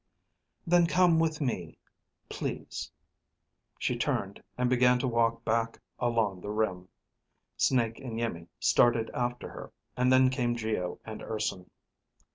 "Then come with me. Please." She turned, and began to walk back along the rim. Snake and Iimmi started after her, and then came Geo and Urson.